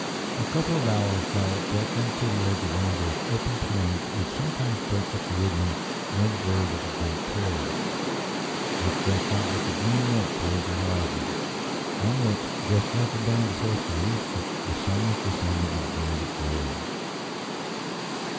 A couple of hours' gallop brought them to the edge of one of those open plains which sometimes break up the woodland near the verge of the great prairies. It stretched out like a green lake towards the horizon, on which, just as the band of horsemen reached it, the sun was descending in a blaze of glory.